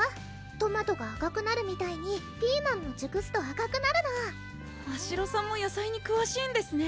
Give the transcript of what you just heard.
トマトが赤くなるみたいにピーマンもじゅくすと赤くなるのましろさんも野菜にくわしいんですね